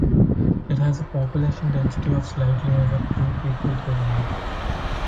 It has a population density of slightly over two people per mile.